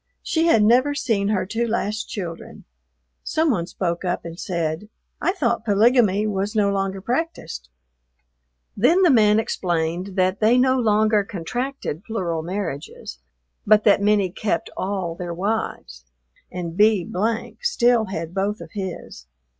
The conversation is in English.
She had never seen her two last children. Some one spoke up and said, "I thought polygamy was no longer practiced." Then the man explained that they no longer contracted plural marriages, but that many kept all their wives and B still had both of his.